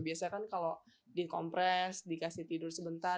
biasanya kan kalau dikompres dikasih tidur sebentar